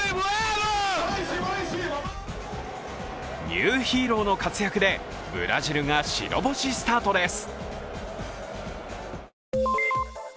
ニューヒーローの活躍でブラジルが白星スタートです。